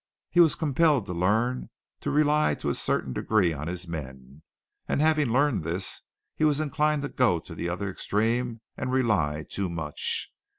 He was compelled to learn to rely to a certain degree on his men, and having learned this he was inclined to go to the other extreme and rely too much.